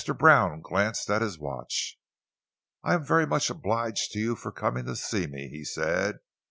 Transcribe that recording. Brown glanced at his watch. "I am very much obliged to you for coming to see me," he said.